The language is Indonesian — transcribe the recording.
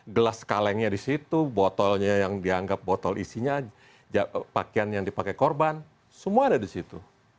gelas kalengnya di situ botolnya yang dianggap botol isinya pakaian yang dipakai korban semua ada di situ